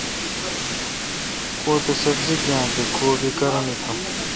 کوتو سبزی بویا تہ کو بی دی کارونی تھاں